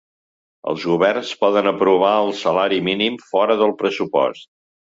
Els governs poden aprovar el salari mínim fora del pressupost